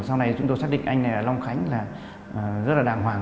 sau này chúng tôi xác định anh này là long khánh là rất là đàng hoàng